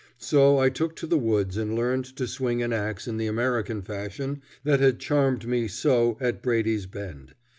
So I took to the woods and learned to swing an axe in the American fashion that had charmed me so at Brady's Bend.